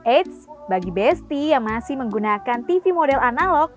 eits bagi besti yang masih menggunakan tv model analog